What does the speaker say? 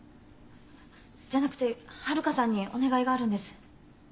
じゃなくて遙さんにお願いがあるんです。